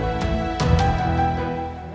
ini buat kamu